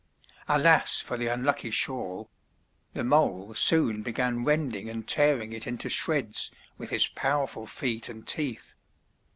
Alas! for the unlucky shawl the mole soon began rending and tearing it into shreds with his powerful feet and teeth.